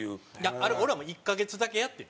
あれ俺らも１カ月だけやってん。